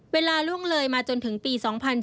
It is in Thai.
ล่วงเลยมาจนถึงปี๒๔